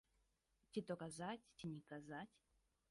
Ці то казаць, ці не казаць?